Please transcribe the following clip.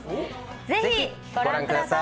ぜひご覧ください。